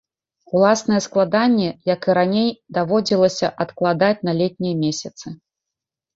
Уласныя складанні, як і раней, даводзілася адкладаць на летнія месяцы.